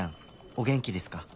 お元気ですか？